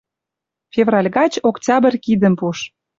Февраль гач Октябрь кидӹм пуш.